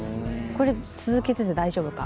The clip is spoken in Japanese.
これ続けてて大丈夫か？